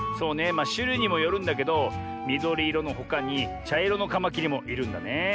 まあしゅるいにもよるんだけどみどりいろのほかにちゃいろのカマキリもいるんだね。